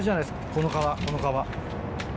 この川この川。